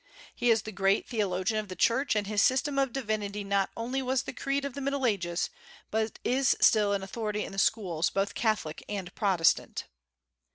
He is the great theologian of the Church, and his system of divinity not only was the creed of the Middle Ages, but is still an authority in the schools, both Catholic and Protestant.